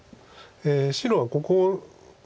白はここを。